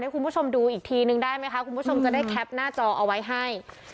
คุณผู้ชมดูอีกทีนึงได้ไหมคะคุณผู้ชมจะได้แคปหน้าจอเอาไว้ให้